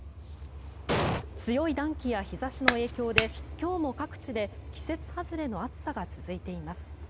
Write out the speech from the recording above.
強い暖気や日差しの影響で今日も各地で季節外れの暑さが続いています。